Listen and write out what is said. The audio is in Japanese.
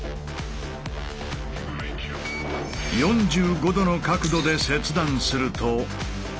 ４５°の角度で切断すると。